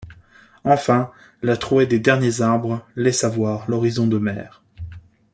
Enfin, la trouée des derniers arbres laissa voir l’horizon de mer.